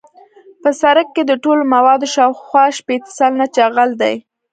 په سرک کې د ټولو موادو شاوخوا شپیته سلنه جغل دی